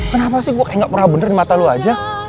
kenapa sih gue gak pernah bener di mata lu aja